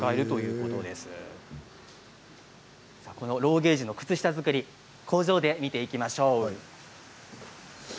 このローゲージの靴下作り工場で見ていきましょう。